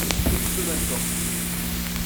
Peu m’importe.